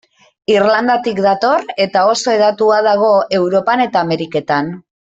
Irlandatik dator, eta oso hedatua dago Europan eta Ameriketan.